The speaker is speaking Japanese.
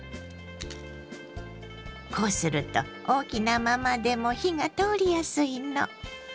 こうすると大きなままでも火が通りやすいの。